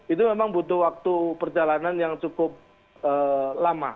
itu memang butuh waktu perjalanan yang cukup lama